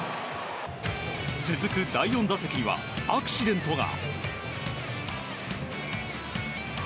続く第４打席にはアクシデントが。